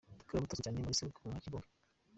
Clapton azwi cyane muri Seburikoko nka Kibonke.